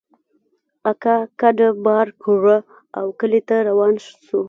اکا کډه بار کړه او کلي ته روان سو.